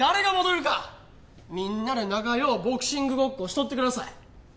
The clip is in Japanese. みんなで仲良うボクシングごっこしとってください。